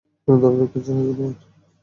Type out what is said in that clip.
কোন ধরনের ক্যান্সার হয়েছে তোমার?